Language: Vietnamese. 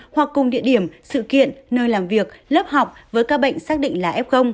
hoặc cùng địa điểm sự kiện nơi làm việc lớp học với các bệnh xác định là f